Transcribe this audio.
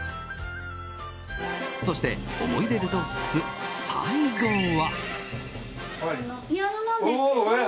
そして思い出デトックス最後は。